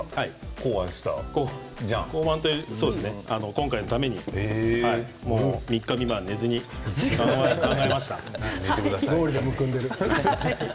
考案というか今回のために３日３晩寝ずに考えました。